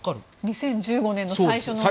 ２０１５年の最初の時に。